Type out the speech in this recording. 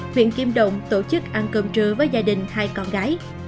huyện kim động tổ chức ăn cơm trưa với gia đình hai con gái